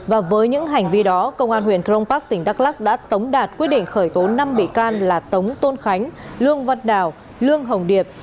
và với những hành vi đó công an huyện cron park tỉnh đắk lắc đã tống đạt quyết định khởi tố năm bị can là tống tôn khánh lương văn đào lương hồng điệp